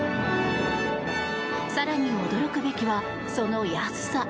更に驚くべきはその安さ。